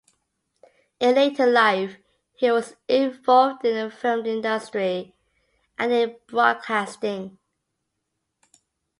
In later life, he was involved in the film industry and in broadcasting.